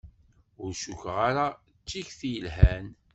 Ur cukkeɣ ara d tikti yelhan.